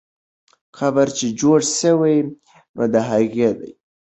قبر چې جوړ سوی، د هغې دی.